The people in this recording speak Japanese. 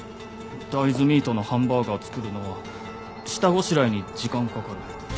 大豆ミートのハンバーガー作るのは下ごしらえに時間かかる。